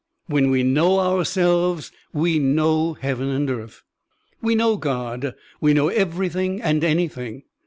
When we know ourselves, we know heaven and earth, we know God, we know every thing and anything.